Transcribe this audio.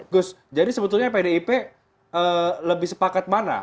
gus jadi sebetulnya pdip lebih sepakat mana